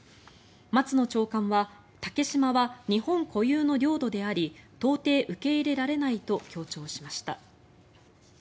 松野長官は竹島は日本固有の領土であり到底受け入れられないと強調しました。